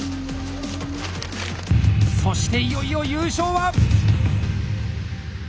そしていよいよ優勝は。